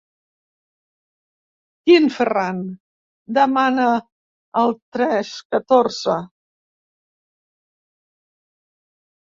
Quin Ferran? –demana el Trescatorze–.